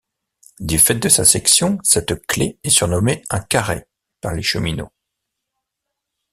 Du fait de sa section, cette clé est surnommée un carré par les cheminots.